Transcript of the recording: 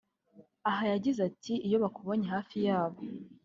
aha yagize ati “iyo bakubonye hafi yabo